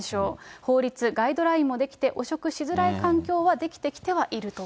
法律、ガイドラインも出来て、汚職しづらい環境は出来てきているという